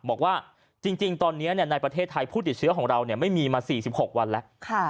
บอกว่าจริงตอนนี้ในประเทศไทยผู้ติดเชื้อของเราไม่มีมา๔๖วันแล้ว